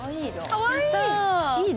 かわいい！